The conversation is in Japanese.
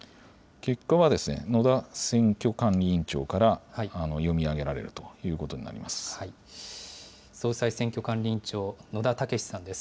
結果は野田選挙管理委員長から読み上げられるということにな総裁選挙管理委員長、野田毅さんです。